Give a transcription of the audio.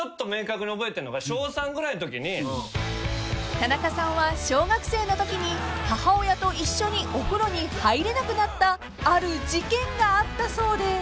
［田中さんは小学生のときに母親と一緒にお風呂に入れなくなったある事件があったそうで］